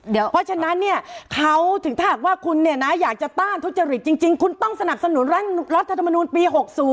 เพราะฉะนั้นถ้าคุณอยากจะต้านทุจริตจริงคุณต้องสนับสนุนรัฐธรรมนูนปี๖๐